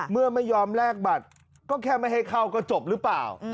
เมื่อไม่ยอมแลกบัตรก็แค่ไม่ให้เข้าก็จบหรือเปล่า